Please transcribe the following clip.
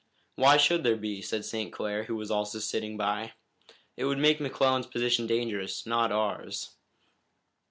"Why should there be?" said St. Clair, who was also sitting by. "It would make McClellan's position dangerous, not ours."